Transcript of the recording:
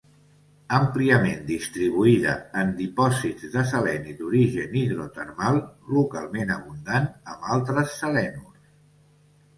Àmpliament distribuïda en dipòsits de seleni d'origen hidrotermal; localment abundant amb altres selenurs.